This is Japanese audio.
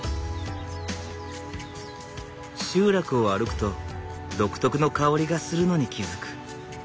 集落を歩くと独特の香りがするのに気付く。